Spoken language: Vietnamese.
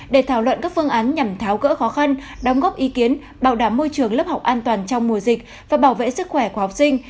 để thảo luận các phương án nhằm tháo gỡ khó khăn đóng góp ý kiến bảo đảm môi trường lớp học an toàn trong mùa dịch và bảo vệ sức khỏe của học sinh